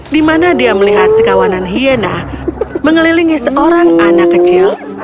di mana dia melihat sekawanan hiena mengelilingi seorang anak kecil